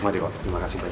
terima kasih pak